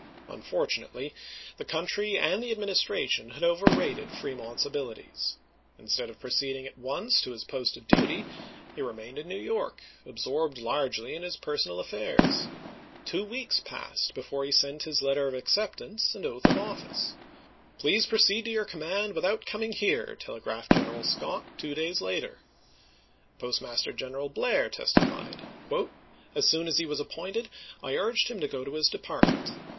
Unfortunately, the country and the Administration had overrated Fremont's abilities. Instead of proceeding at once to his post of duty, he remained in New York, absorbed largely in his toF^monl persoual affairs. Two weeks passed before he sent *^^^w.^ii.^*^^' his letter of acceptance and oath of office. " Please p.'399."' proceed to your command without coming here," telegraphed General Scott, two days later. Post master General Blair testified : As soon as he was appointed, I urged him to go to his department.